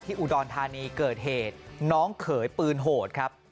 อุดรธานีเกิดเหตุน้องเขยปืนโหดครับ